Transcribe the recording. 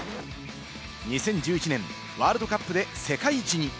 ２０１１年、ワールドカップで世界一に。